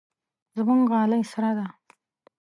زموږ غالۍ سره ده.